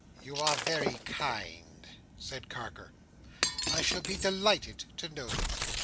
"You are very kind," said Carker, "I shall be delighted to know them.